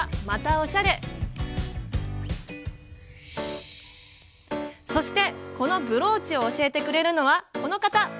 そしてこのブローチを教えてくれるのはこの方。